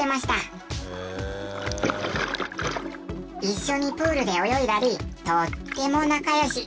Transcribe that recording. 一緒にプールで泳いだりとっても仲良し。